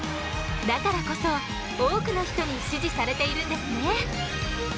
だからこそ多くの人に支持されているんですね。